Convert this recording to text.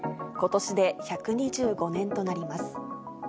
ことしで１２５年となります。